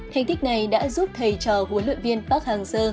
thành tích này đã giúp thầy trò huấn luyện viên park hang seo